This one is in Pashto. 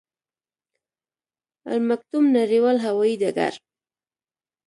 المکتوم نړیوال هوايي ډګر